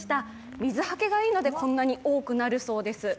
水はけがいいので、こんなに大きくなるそうです。